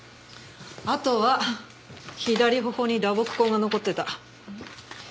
あとは左頬に打撲痕が残ってた。